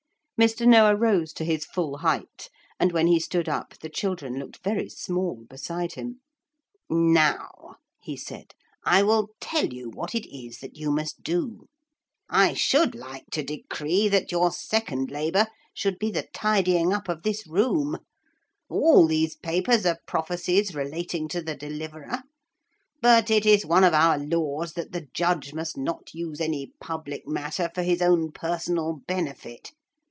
Mr. Noah rose to his full height, and when he stood up the children looked very small beside him. 'Now,' he said, 'I will tell you what it is that you must do. I should like to decree that your second labour should be the tidying up of this room all these papers are prophecies relating to the Deliverer but it is one of our laws that the judge must not use any public matter for his own personal benefit.